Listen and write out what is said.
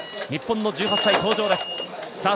日本の１８歳登場です。